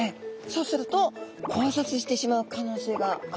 そうすると交雑してしまう可能性があるんですね。